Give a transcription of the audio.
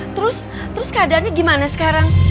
terus terus keadaannya gimana sekarang